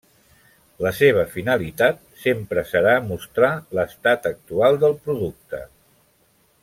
La seva finalitat sempre serà mostrar l'estat actual del producte.